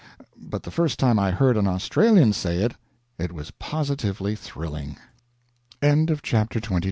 But the first time I heard an Australian say it, it was positively thrilling. CHAPTER XXIII.